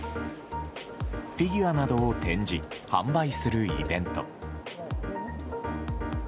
フィギュアなどを展示・販売するイベント。